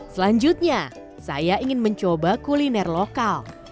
selanjutnya saya ingin mencoba kuliner lokal